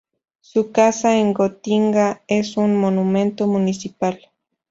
Su casa en Gotinga es un monumento municipal.